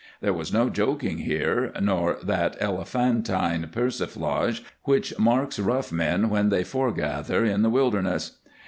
There was no joking here, nor that elephantine persiflage which marks rough men when they forgather in the wilderness.